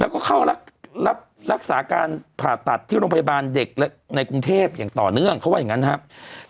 แล้วก็เข้ารับรักษาการผ่าตัดที่โรงพยาบาลเด็กในกรุงเทพอย่างต่อเนื่องเขาว่าอย่างนั้นนะครับ